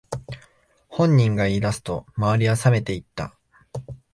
本人が言い出すと周りはさめていった